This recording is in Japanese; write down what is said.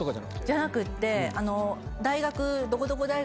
じゃなくて。